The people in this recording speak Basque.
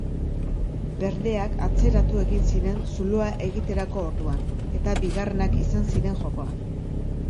Berdeak atzeratu egin ziren zuloa egiterako orduan, eta bigarrenak izan ziren jokoan.